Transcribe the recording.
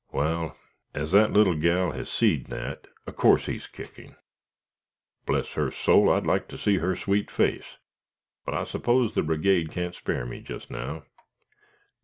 "Wal, as that little gal has seed Nat, of course he's kickin'. Bless her soul! I'd like to see her sweet face, but I s'pose the brigade can't spare me just now.